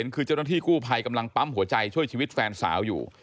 คือเจ้าหน้าที่กู้ภัยกำลังปั๊มหัวใจช่วยชีวิตแฟนสาวอยู่